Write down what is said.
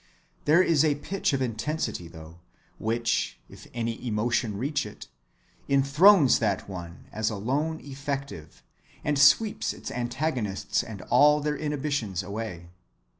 There is a pitch of intensity, though, which, if any emotion reach it, enthrones that one as alone effective and sweeps its antagonists and all their inhibitions away.